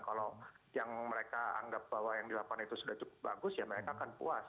kalau yang mereka anggap bahwa yang dilakukan itu sudah cukup bagus ya mereka akan puas